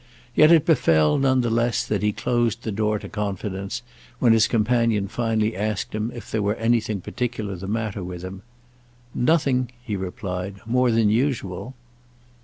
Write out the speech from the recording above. Yet it befell, none the less that he closed the door to confidence when his companion finally asked him if there were anything particular the matter with him. "Nothing," he replied, "more than usual."